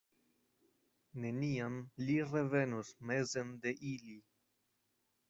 Neniam li revenos mezen de ili.